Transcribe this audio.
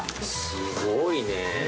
すごいね！